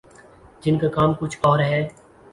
جن کا کام کچھ اور ہے۔